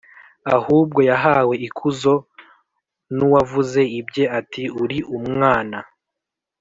Ahubwo yahawe ikuzo g n uwavuze ibye ati uri umwana